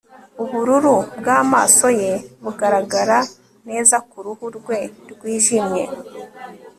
ubururu bwamaso ye bugaragara neza kuruhu rwe rwijimye